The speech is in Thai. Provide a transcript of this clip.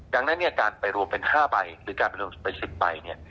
ดังนั้นเนี่ยการไปรวมเป็น๕ใบหรือการไปรวมไป๑๐ใบเนี่ย